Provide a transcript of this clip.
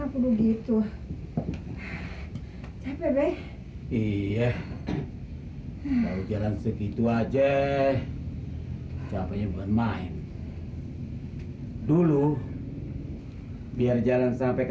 ada begitu capek iya ugaran seditua jah lebih main dulu biar jalan sampai ke